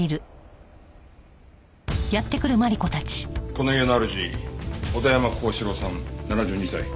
この家の主小田山航志郎さん７２歳。